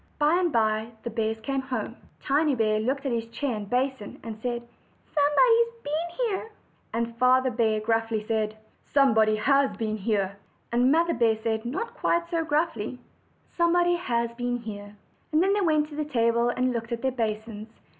By and by the bears came home. Tiny bear looked at his chair and basin, and said; "Somebody has been here.'*' And Father bear said gruffly: "Somebody has been here." And Mother bear said, not quite so gruffly: "Somebody has been here." Then they went to the table and looked at their basins.